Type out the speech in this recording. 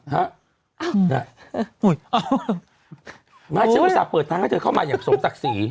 หมายถึงผู้สรรพเปิดทางให้เธอเข้ามาอย่างสมศักดิ์ศรี